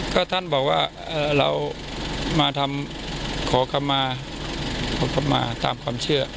ก็ท่านบอกว่าเรามาทำขอกรรมะตามความเชื่อ